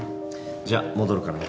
じゃあ戻るからな。